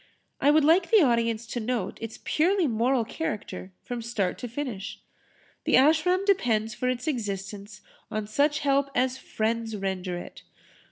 I would like the audience to note its purely moral character from start to finish. The Ashram depends for its existence on such help as friends render it.